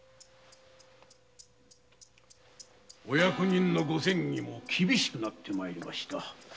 お役人のご詮議が厳しくなってまいりました。